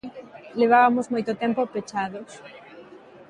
Levabamos moito tempo pechados.